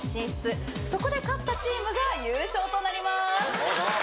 そこで勝ったチームが優勝となります。